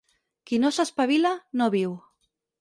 Qui no s'espavila, no viu.